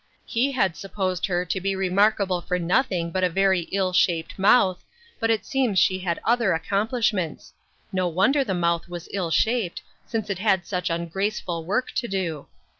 He had supposed her to be remarkable for nothing but a very ill shaped mouth, but it seems she had other accomplishments ; no wonder the mouth was ill shaped, since it had such ungraceful work to do.